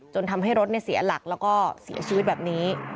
ทำให้รถเสียหลักแล้วก็เสียชีวิตแบบนี้